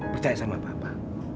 percaya sama papa